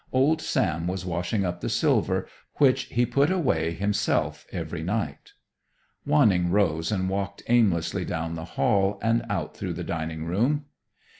Old Sam was washing up the silver, which he put away himself every night. Wanning rose and walked aimlessly down the hall and out through the dining room.